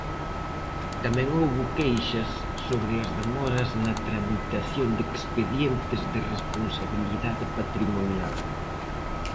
Tamén houbo queixas sobre as demoras na tramitación de expedientes de responsabilidade patrimonial.